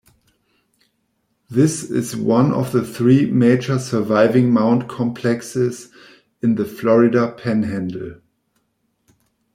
This is one of three major surviving mound complexes in the Florida Panhandle.